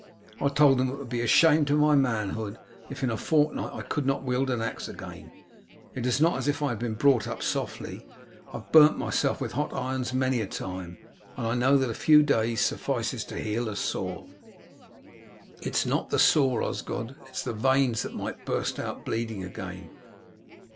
I told them it would be a shame to my manhood if in a fortnight I could not wield an axe again. It is not as if I had been brought up softly. I have burnt myself with hot irons many a time, and know that a few days suffices to heal a sore." "It is not the sore, Osgod; it is the veins that might burst out bleeding again."